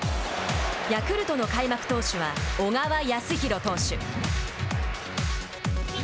ヤクルトの開幕投手は小川泰弘投手。